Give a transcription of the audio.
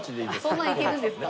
そんなのいけるんですか？